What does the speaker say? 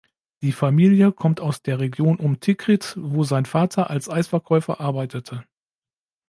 Die Familie kommt aus der Region um Tikrit, wo sein Vater als Eisverkäufer arbeitete.